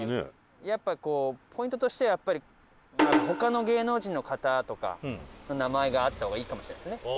やっぱこうポイントとしてはやっぱり他の芸能人の方とかの名前があった方がいいかもしれないですね。